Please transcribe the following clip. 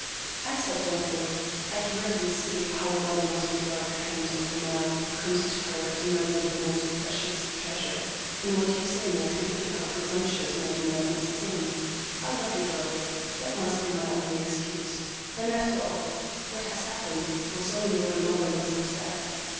I said gently, "I can readily see how a mother must regard the claims of the man who comes to her demanding her most precious treasure; and what you say makes me feel how presumptuous my demand must seem. I love your daughter—that must be my only excuse. And after all, what has happened was only what a mother must expect.